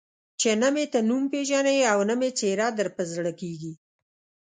چې نه مې ته نوم پېژنې او نه مې څېره در په زړه کېږي.